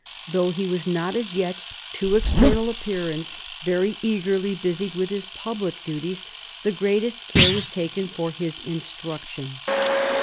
Though he was not as yet, to external appearance, very eagerly busied with his public duties, the greatest care was taken for his instruction.